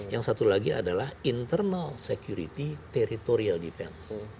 yang satu lagi adalah internal security teritorial defense